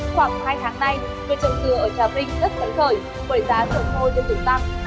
khoảng hai tháng nay cơ trường dừa ở trà vinh rất tấn khởi bởi giá sở khô dân tử tăng